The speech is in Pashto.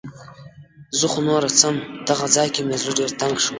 زه خو نوره څم. دغه ځای کې مې زړه ډېر تنګ شو.